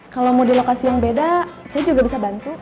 kalau mau di lokasi yang beda saya juga bisa bantu